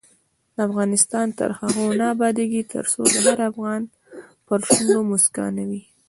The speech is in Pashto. افغانستان تر هغو نه ابادیږي، ترڅو د هر افغان پر شونډو مسکا نه وي.